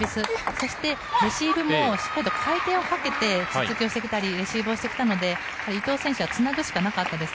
そして、レシーブもしっかりと回転をかけてツッツキをしてきたりレシーブをしてきたので伊藤選手はつなぐしかなかったです。